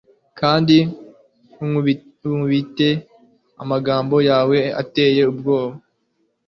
kandi unkubite amagambo yawe ateye ubwoba